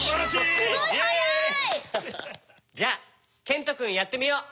じゃあけんとくんやってみよう。